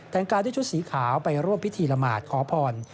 แต่งกายด้วยชุดสีขาวไปร่วมพิธีละหมาดขอพร